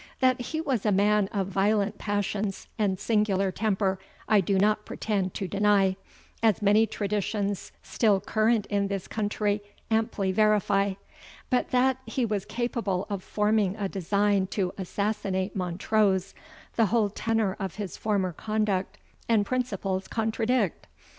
That he was a man of violent passions and singular temper, I do not pretend to deny, as many traditions still current in this country amply verify; but that he was capable of forming a design to assassinate Montrose, the whole tenor of his former conduct and principles contradict.